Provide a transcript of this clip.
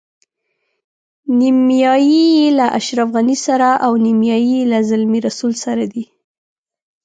نیمایي یې له اشرف غني سره او نیمایي له زلمي رسول سره دي.